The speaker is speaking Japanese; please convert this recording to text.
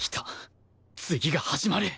次が始まる！